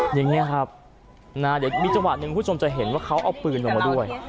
อย่างนี้ครับเดี๋ยวมีจังหวะหนึ่งคุณผู้ชมจะเห็นว่าเขาเอาปืนออกมาด้วย